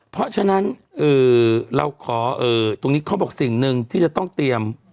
เพราะฉะนั้นเราขอตรงนี้เขาบอกสิ่งหนึ่งที่จะต้องเตรียม